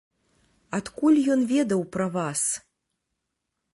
Адкуль ён ведаў пра вас?